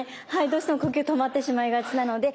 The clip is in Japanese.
どうしても呼吸止まってしまいがちなので。